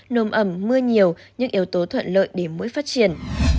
nồm ẩm mưa nhiều những yếu tố thuận lợi để mũi phát triển